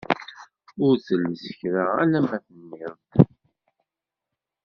Ur telles kra, alamma tenniḍ-d!